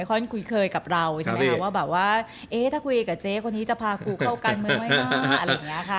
ค้นคุ้นเคยกับเราใช่ไหมคะว่าแบบว่าเอ๊ะถ้าคุยกับเจ๊คนนี้จะพากูเข้าการเมืองไว้หน้า